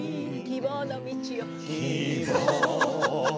「希望の道を」